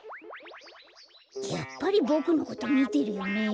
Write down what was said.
やっぱりボクのことみてるよねえ？